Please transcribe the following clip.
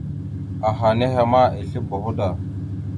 Aha henne ma esle boho da.